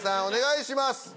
お願いします。